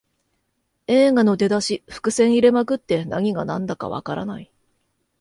映画の出だし、伏線入れまくって何がなんだかわからない